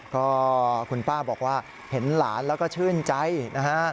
ก็คุณป้าบอกว่าเห็นหลานแล้วก็ชื่นใจนะฮะ